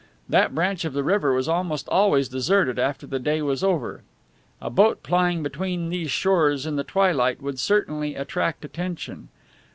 That branch of the river was almost always deserted after the day was over. A boat plying between these shores in the twilight would certainly attract attention.